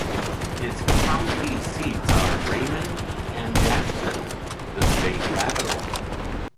Its county seats are Raymond and Jackson, the state capital.